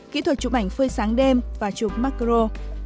kỹ thuật chụp ảnh phơi sáng đêm và chụp macro